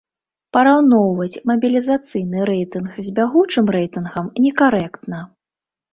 Параўноўваць мабілізацыйны рэйтынг з бягучым рэйтынгам некарэктна.